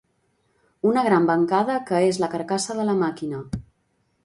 Una gran bancada que és la carcassa de la màquina.